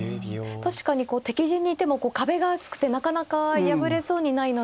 確かに敵陣にいても壁が厚くてなかなかやぶれそうにないので。